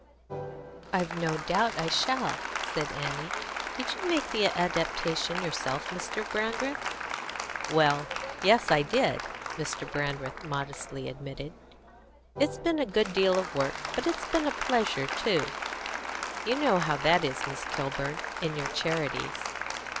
"I've no doubt I shall," said Annie. "Did you make the adaptation yourself, Mr. Brandreth?" "Well, yes, I did," Mr. Brandreth modestly admitted. "It's been a good deal of work, but it's been a pleasure too. You know how that is, Miss Kilburn, in your charities."